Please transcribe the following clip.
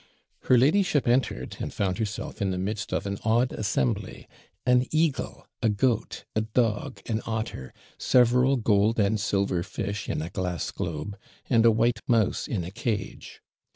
Her ladyship entered, and found herself in the midst of an odd assembly: an eagle, a goat, a dog, an otter, several gold and silver fish in a glass globe, and a white mouse in a cage.